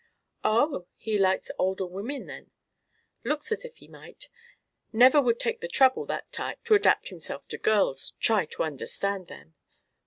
"Oh! He likes older women, then? Looks as if he might. Never would take the trouble, that type, to adapt himself to girls, try to understand them.